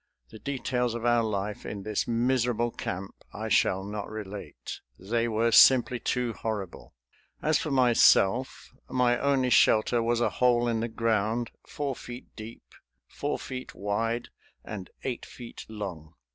The details of our life in this miserable camp I shall not relate. They were simply too horrible. As for myself, my only shelter was a hole in the ground, four feet deep, four feet wide and eight feet long.